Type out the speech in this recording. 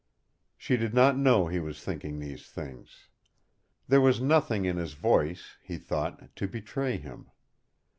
She did not know he was thinking these things. There was nothing in his voice, he thought, to betray him.